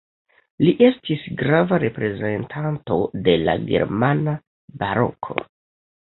Li estis grava reprezentanto de la germana Baroko.